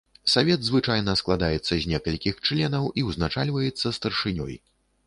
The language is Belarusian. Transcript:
Савет звычайна складаецца з некалькіх членаў і узначальваецца старшынёй.